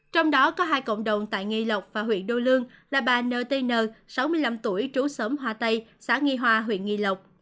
trong đó có hai cộng đồng tại nghi lộc và huyện đô lương là bà ntn sáu mươi năm tuổi trú sớm hòa tây xã nghi hòa huyện nghi lộc